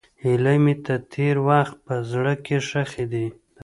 هیلې مې د تېر وخت په زړه کې ښخې دي.